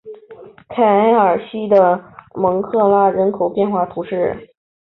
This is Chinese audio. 凯尔西的蒙克拉人口变化图示